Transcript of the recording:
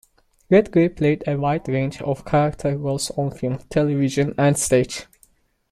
Redgrave played a wide range of character roles on film, television and stage.